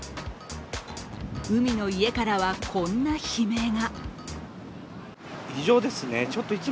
海の家からは、こんな悲鳴が。